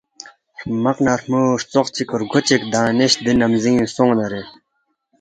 ہرمق نہ ہرمو ستروق چک رگو چک دانشؔ دی نمزینگ سونگنارے